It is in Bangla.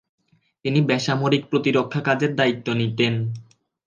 তিনি বেসামরিক প্রতিরক্ষা কাজের দায়িত্ব নিতেন।